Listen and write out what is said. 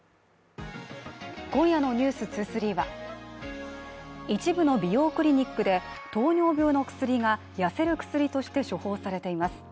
今夜の「ｎｅｗｓ２３」は一部の美容クリニックで糖尿病の薬が痩せる薬として処方されています。